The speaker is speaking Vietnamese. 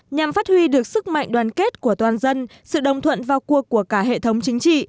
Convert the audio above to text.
nhằm phát huy được sức mạnh đoàn kết của toàn dân sự đồng thuận vào cuộc của cả hệ thống chính trị